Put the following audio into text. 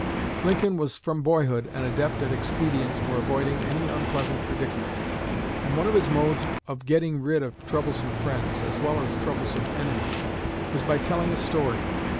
Lincoln was from boyhood an adept at expedients for avoiding any unpleasant predicament, and one of his modes of getting rid of troublesome friends, as well as troublesome enemies, was by telling a story.